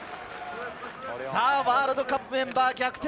ワールドカップメンバーの逆転